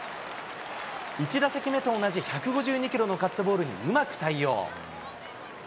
１打席目と同じ１５２キロのカットボールにうまく対応。